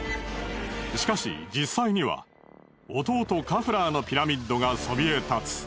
しかし実際には弟カフラーのピラミッドがそびえ立つ。